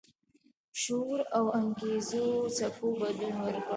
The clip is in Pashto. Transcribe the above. شعور او انګیزو څپو بدلون ورکړ.